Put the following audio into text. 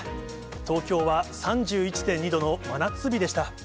東京は３１．２度の真夏日でした。